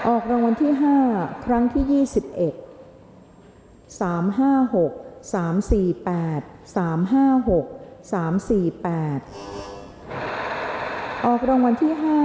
ออกรางวัลที่ห้าครั้งที่ยี่สิบสองแปดสามสี่หนึ่งสองหนึ่งแปดสามสี่